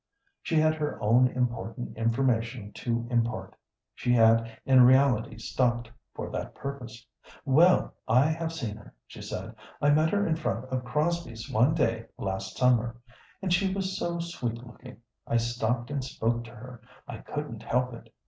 She had her own important information to impart. She had in reality stopped for that purpose. "Well, I have seen her," she said. "I met her in front of Crosby's one day last summer. And she was so sweet looking I stopped and spoke to her I couldn't help it.